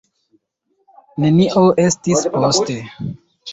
Nenio estis poste.